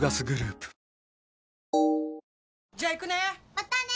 またね！